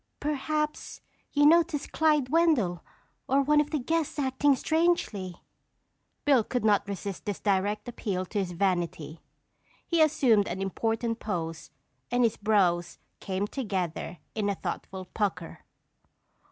Perhaps you noticed Clyde Wendell or one of the guests acting strangely." Bill could not resist this direct appeal to his vanity. He assumed an important pose and his brows came together in a thoughtful pucker.